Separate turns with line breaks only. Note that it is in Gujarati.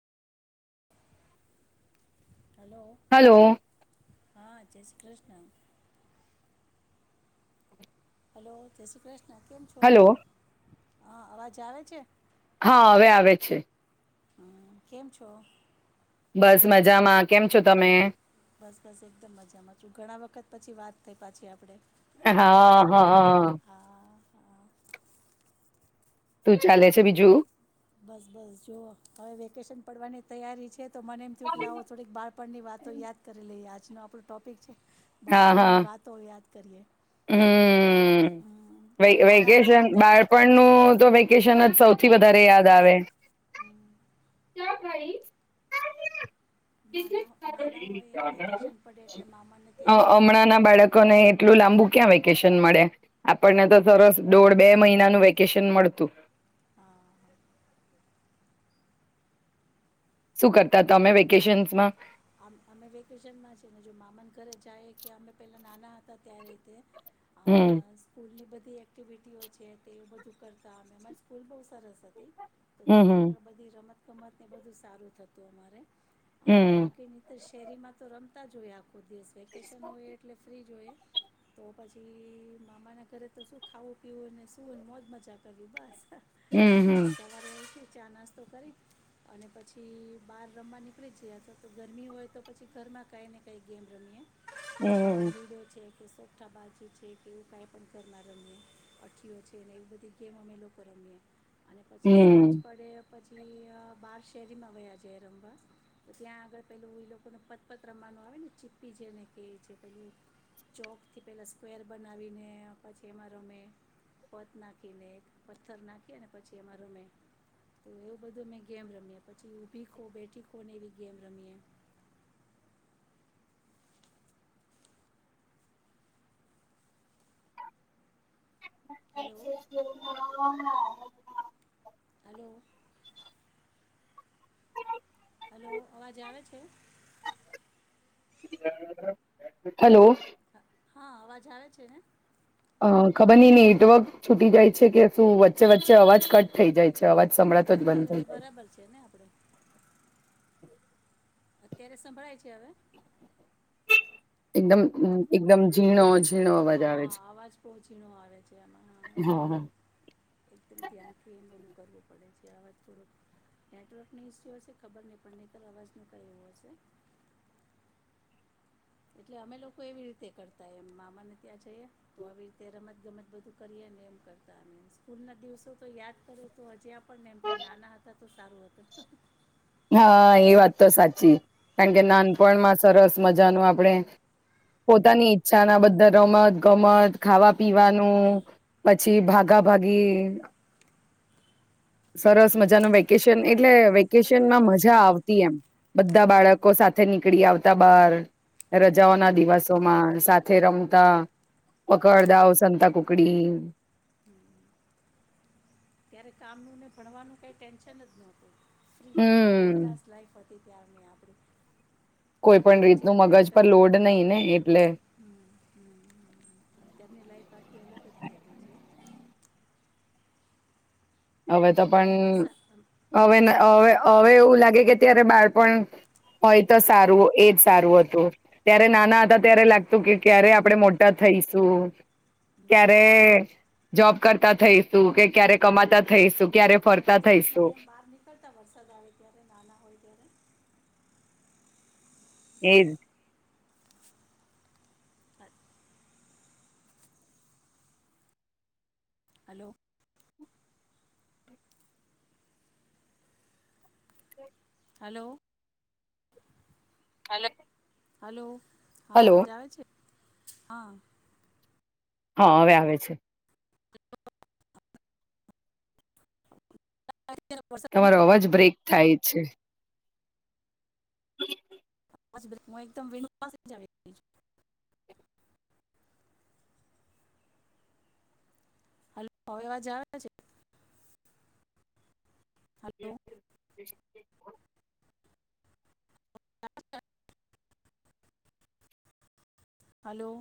હલો.
હલો
હા જય શ્રી કૃષ્ણ. હલો જય શ્રી કૃષ્ ના કેમ છો
હલો
હ અવાજ આવે છે?
હા હવે આવે છે.
હ કેમ છો?
બસ મજામાં કેમ છો તમે?
બસ બસ એકદમ મજામાં છું ઘણા વખત પછી વાત થઈ પાછી આપડે.
હા હા.
હા
શું ચાલે છે બીજું?
બસ બસ જુઓ હવે વેકેશન પડવાની તૈયારી છે. તો મને એમ થયું કે લો થોડીક બાળપણ ની વાતો યાદ કરી લઈ્યા. આજનો આપણું ટૉપિક છે. બાળપણ ની વાતો હો કરીએ.
હમ્મ
હમ,
વે
કે નાના હતા
વેકેશન
તે
બાળપણનું તો વે કેશન જ સૌથી વધારે યાદ આવે.
હમ,
[inaudible]
નાના નાના હોય વેકેશન પડે એટલે મામાને
અ
ત્યાં જવાનું
અમણાં ના બાળકો ને એટલું લાંબુ ક્યાં વેકેશન મળે આપણને તો
નહીં
સરસ
નહીં
દોઢ બે મહિ ના નું વેકેશન મળતું.
હા હા
શું કરતા હતા અમે વેકેશન્સમાં
અમે વેકેશનમાં છીએને જો મામાન ઘરે જાય કે અમે પેલા નાના હતા ત્યારેતે
હમ
આ સ્કૂલ ની બધ બધી એક્ટિવિટીઓ છે તે બધું કરતા અમે અમારી સ્કૂલ બહુ સરસ હતી તો
હમ
ત્યાં આગળ બધી રમત રમત ને બધું સારું થતું અમારે અને
હમ્મ.
શેરીમાં તો રમતા જોયા. કોઈ દિવસ વેકેશન હોયએ એટલે ફ્રી હોઈ એમ તો પછી મામા ના ઘરે તો શું ખાવું પીવું અને શું મોજ મજા કરવી બસ.
હમ્મ, હમ્મ.
સવારે ઉઠી ચા નાસ્તો કરી અને પછી બહાર રમવા નીકળી છે આ તો. તો ગરમી હોય તો પછી ઘરમાં કાંઈ ને કાંઈ ગેમ રમીએ.
હમ્મ.
ચોઠા બાજુ છે કે એવું કાંઈ પણ ઘરમાં રમીએ અઠ્ઠીઓ છે ને એવી બધી ગેમ અમે લોકો રમીએ. અને
હમ
પછી સાંજ
હમ
પડે પછી બાર શેરીમાં વયા જીએ રમવાા ત્યાં પેલું એ લોકોનું પતપત રમવાનું આવે ને ચીપ્પી જેને કે જે પેલું ચોક થી પેલા સ્કવેર બનાવીને પછી એમાં રમે પત નાખીને પથ્થર નાખી ને પછી એમાં રમે તો એવું બધું મેં ગેમ રમીએ પછી ઊભી ખો બેઠી ખો ને એવી ગેમ રમીએ હલો
[inaudible] [unintelligible]
હલો. હલો અવાજ આવે છે?
હેલો
હા અવાજ આવે છે ને?
અ ખબર નઈ નેટવર્ક છૂટી જાય છે કે શું વચ્ચે વચ્ચે અવાજ કટ થઇ જાય છે. અવાજ સંભળાતો જ બંધ
અત્યારે
થઈ
તો
જાય
બરાબર છે ને આપડે. અત્યારે સંભળાય છે હવે
એકદમ એકદમ ઝીણો ઝીણો અવાજ આવે
હા
છે
અવાજ પહોંચી ન આવે છે આમાં
હા હા
હ એકદમ ધ્યાનથી બોલું કરવું પડે છે અવાજ થોડોક નેટવર્ક ન ઇસ્યુ હશે ખબર નહી પણ નિતર અવાજનું કઈ એવું હશે. એટલે અમે લોકો એવી રીતે કરતા એમ મામાને ત્યાં જઈએ તો આવી રીતે રમત ગમત બધું કરીએને એમ કરતા અમે સ્કૂલ ના દિવસો તો યાદ કરએ તો હજી આપ પણને એમ થ નાના હતા. ખુ સારું હતું.
હા એ વાત તો સાચી કારણ કે નાનપણમાં સરસ મજાનું આપણેે પોતાની ઈચ્છા ના બધા રમત ગમત ખાવા પીવાનું પછી ભાગા ભાગી સરસ મજાનું વેકેશન એટલે વેકેશન માં મજા આવતી એમ બધા બાળકો
હમ
સાથે સાથે નીકળી આવતા બાર રજાઓના
હા
દિવસોમાં સાથે રમતા પકડદઓ સંતા કુકડી
ત્યારે કામનું ને ભણવાનું કઈ ટેન્શન જ નહોતું. ફ્રી એકદમ
હમ
બિંદસ્ લાઈફ. ત્યાર આપણે એ
કોઈ પણ
ઘરે
રીતનું
જઈને કઈ
મગજ
કર
પર લોડ નહી ને એટલે
અત્યારની લાઈફ આખી અલગ જ થઈ ગઈ છે.
હવે તો
તમે
પણ
વરસાદ
હવે હવે હવે એવું લાગે કે અ્યારે બાળપણ હોય તો સારું એજ સારું હતું. ત્યારે નાના હતા ત્યારે લાગતું કે ક્યારે આપડે મોટા થઈશું ક્યારે જોબ કરતા થઈશું કે ક્યારે કમાતા થઈશું ક્યારે
તમે
ફરતા
વરસાદમાં
થઈશું
મ બહાર નીકળતા વરસાદ આવે ત્યારે નાના હોય ત્યારે
એ જ.
હા, હલો. હલો.
હાલ.
હલો. હા હવે આવે છે. હા.
હા હવે આવે છે.
અત્યારે
તમારો
વરસાદમાં
અવાજ બ્રેક થાય છે.
બ એકદમ પાસે હલો હવે અવાજ આવે છે? Hello
[inaudible]
[inaudible] hello.